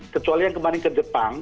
kecuali yang kemarin ke jepang